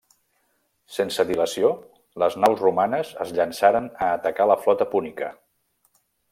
Sense dilació, les naus romanes es llançaren a atacar la flota púnica.